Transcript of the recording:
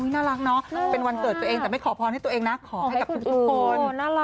น่ารักเนาะเป็นวันเกิดตัวเองแต่ไม่ขอพรให้ตัวเองนะขอให้กับทุกคน